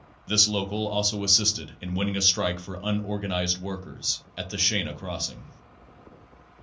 This local also assisted in win ning a strike for unorganized workers at the Shenna Crossing.